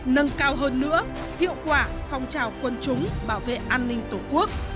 nâng cao hơn nữa hiệu quả phong trào quân chúng bảo vệ an ninh tổ quốc